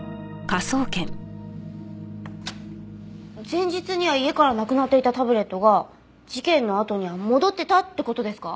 前日には家からなくなっていたタブレットが事件のあとには戻ってたって事ですか？